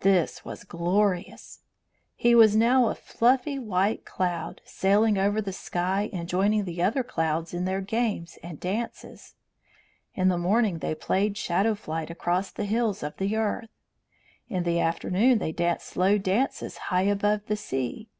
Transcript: This was glorious. He was now a fluffy white cloud, sailing over the sky and joining the other clouds in their games and dances. In the morning they played shadow flight across the hills of the earth; in the afternoon they danced slow dances high above the sea.